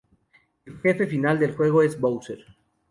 El jefe final del juego es Bowser.